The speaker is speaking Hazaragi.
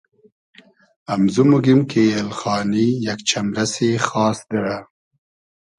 امزو موگیم کی ایلخانی یئگ چئمرئسی خاس دیرۂ